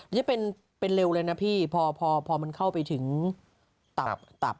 จะเป็นเร็วเลยนะพี่พอมันเข้าไปถึงต่ำ